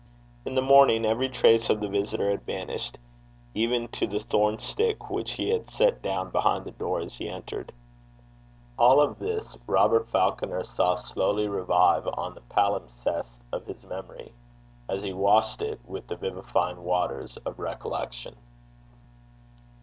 In the morning, every trace of the visitor had vanished, even to the thorn stick which he had set down behind the door as he entered. All this Robert Falconer saw slowly revive on the palimpsest of his memory, as he washed it with the vivifying waters of recollection.